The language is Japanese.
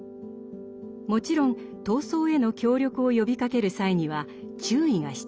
もちろん闘争への協力を呼びかける際には注意が必要。